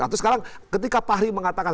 atau sekarang ketika pak hri mengatakan